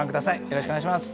よろしくお願いします。